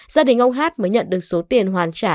gia đình ông hát mới nhận được số tiền hoàn trả